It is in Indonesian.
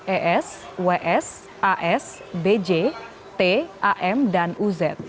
es ws as bj t am dan uz